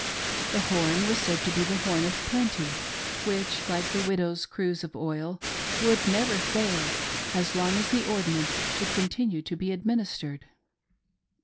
The horn was said to be the horn of plenty which, like the widow's cruse of oil, would never fail as long as the ordinance should continue to be administered.